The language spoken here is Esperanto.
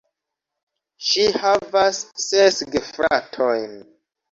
Ŝi havas ses gefratojn.